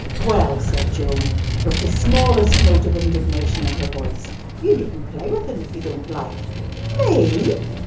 "Well," said Joan, with the smallest note of indignation in her voice, "you needn't play with him if you don't like." "_Me?